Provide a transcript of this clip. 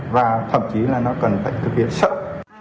và thậm chí là nó cần phải thực hiện sớm